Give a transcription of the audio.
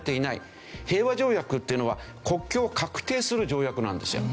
平和条約っていうのは国境を画定する条約なんですよ。